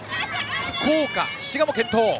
福岡、滋賀も健闘。